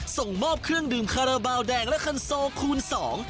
ส่งมอบเครื่องดื่มคาราบาลแดงและคันโซคูณสอง